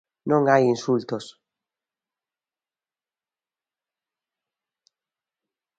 Non hai insultos.